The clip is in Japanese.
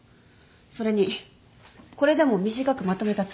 それにこれでも短くまとめたつもりです。